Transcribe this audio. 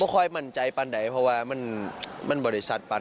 ค่อยมั่นใจปันใดเพราะว่ามันบริษัทปัน